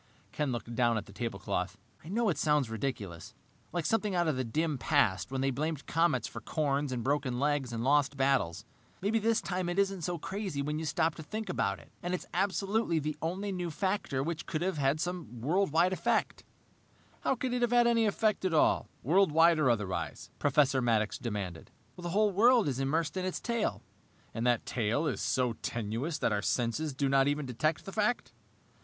Ken looked down at the tablecloth. "I know it sounds ridiculous, like something out of the dim past, when they blamed comets for corns, and broken legs, and lost battles. Maybe this time it isn't so crazy when you stop to think about it, and it's absolutely the only new factor which could have some worldwide effect." "How could it have any effect at all worldwide or otherwise?" Professor Maddox demanded. "The whole world is immersed in its tail." "And that tail is so tenuous that our senses do not even detect the fact!"